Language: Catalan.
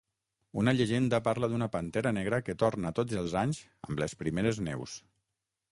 Una llegenda parla d'una pantera negra que torna tots els anys amb les primeres neus.